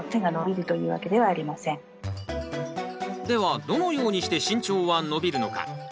ではどのようにして身長は伸びるのか。